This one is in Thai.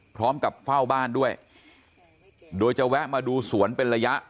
พร้อมกับเฝ้าบ้านด้วยโดยจะแวะมาดูสวนเป็นระยะ